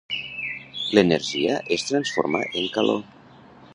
L'energia es transforma en calor.